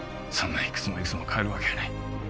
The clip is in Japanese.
そんないくつもいくつも買えるわけがない